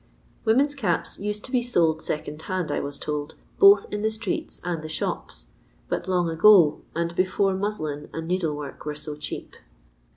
Women' t capt used to be sold second hand, I was told, both in the streets and the shops, but long ago, and before muslin and needlework were so cheap.